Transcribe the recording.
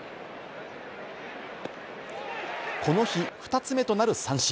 この日、２つ目となる三振。